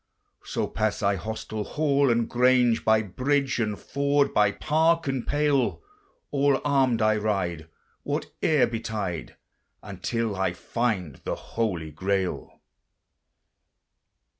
So pass I hostel, hall, and grange; By bridge and ford, by park and pale, All armed I ride, whate'er betide, Until I find the holy Grail.